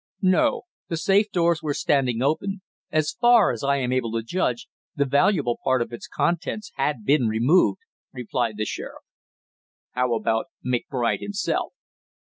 "No, the safe doors were standing open; as far as I am able to judge, the valuable part of its contents had been removed," replied the sheriff. "How about McBride himself?"